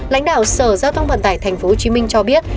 lãnh đạo sở giao thông vận tải tp hcm cho biết